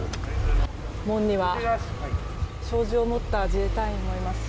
門には小銃を持った自衛隊員もいます。